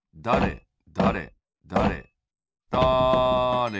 だれだれだれだれ